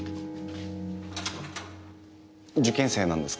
受験生なんですか？